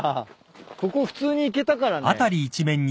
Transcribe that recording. ここ普通に行けたからね。